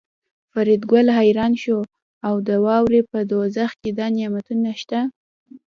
فریدګل حیران شو چې د واورې په دوزخ کې دا نعمتونه شته